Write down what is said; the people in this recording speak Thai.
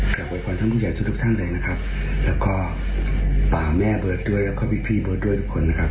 กลับไว้ก่อนทั้งผู้ใหญ่ทุกทั้งเลยนะครับแล้วก็ป่าแม่เบิร์ดด้วยแล้วก็พี่เบิร์ดด้วยทุกคนนะครับ